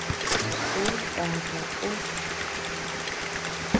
Ú ndata ú.